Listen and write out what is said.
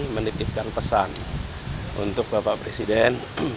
menitipkan pesan untuk bapak presiden